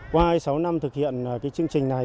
qua sáu năm thực hiện chương trình này